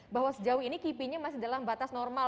bahwa sejauh ini kipi nya masih dalam batas normal